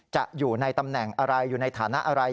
จะอยู่ในตำแหน่งอะไรอยู่ในฐานะอะไร